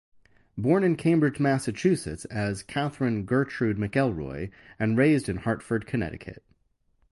Born in Cambridge, Massachusetts as Katherine Gertrude McElroy, and raised in Hartford, Connecticut.